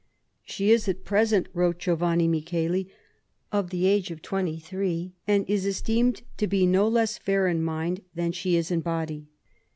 " She is at present,'* wrote Giovanni Micheli, " of the age of twenty three, and is esteemed to be no less fair in mind than she is in body.